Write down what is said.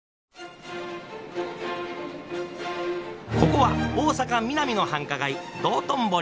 ここは大阪ミナミの繁華街道頓堀。